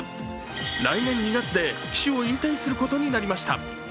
来年２月で騎手を引退することになりました。